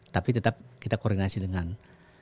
tapi tetap kita koordinasi dengan